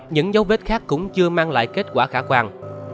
những dấu vết khác cũng chưa mang lại kết quả khả quan